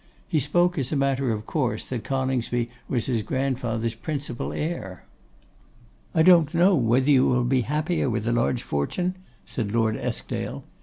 He spoke as a matter of course that Coningsby was his grandfather's principal heir. 'I don't know whether you will be happier with a large fortune?' said Lord Eskdale.